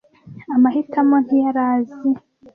Amahitamo ntiyari azi,